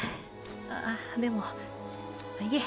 あでもいえ。